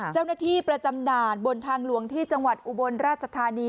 เจ้าหน้าที่ประจำด่านบนทางหลวงที่จังหวัดอุบลราชธานี